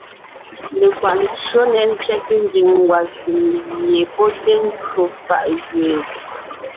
Lekwaʼ ncÿó nɛ́ tsẅɛ́te nzẅìŋ ngwàshùm gie pɔ́ té ncwò fàʼ gẅeen,